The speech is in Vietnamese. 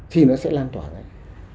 thì nó sẽ lan tỏa lại